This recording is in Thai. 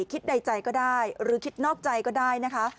คิดในใจก็ได้หรือคิดนอกใจก็ได้นะคะ